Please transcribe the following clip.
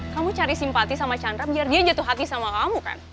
kamu cari simpati sama chandra biar dia jatuh hati sama kamu kan